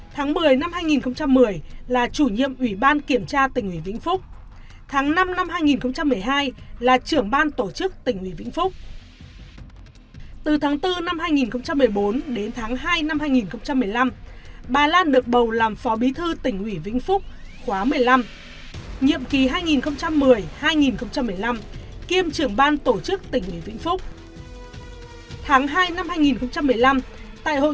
tháng một mươi năm hai nghìn hai mươi bà tiếp tục được bầu làm bí thư tỉnh ủy với sổ phiếu tuyệt đối